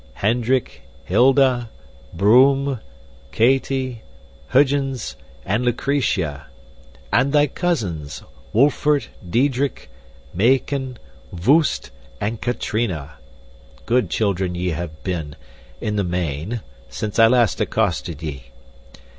Hendrick, Hilda, Broom, Katy, Huygens, and Lucretia! And thy cousins, Wolfert, Diedrich, Mayken, Voost, and Katrina! Good children ye have been, in the main, since I last accosted ye.